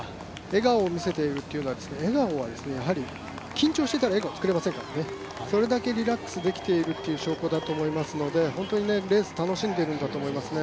笑顔を見せているというのは緊張してたら笑顔作れませんのでそれだけリラックスできているという証拠だと思いますので本当にレース楽しんでいるんだと思いますね。